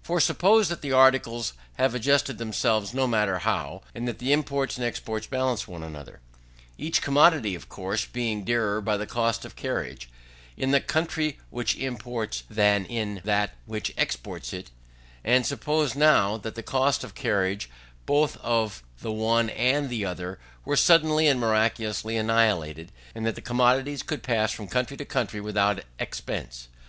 For suppose that the prices have adjusted themselves, no matter how, and that the imports and exports balance one another, each commodity, of course, being dearer by the cost of carriage, in the country which imports than in that which exports it: and suppose now that the cost of carriage, both of the one and of the other, were suddenly and miraculously annihilated, and that the commodities could pass from country to country without expense.